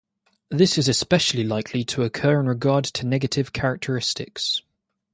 This is especially likely to occur in regard to negative characteristics.